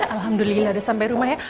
alhamdulillah udah sampai rumah ya